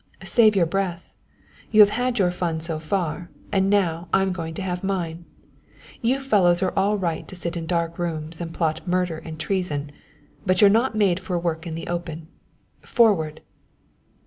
"Save your breath! You've had your fun so far, and now I'm going to have mine. You fellows are all right to sit in dark rooms and plot murder and treason; but you're not made for work in the open. Forward!"